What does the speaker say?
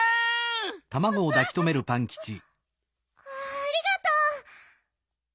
ありがとう。